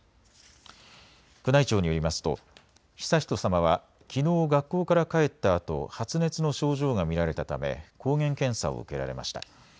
宮内庁によりますと、悠仁さまはきのう学校から帰ったあと発熱の症状が見られたため抗原検査を受けられました。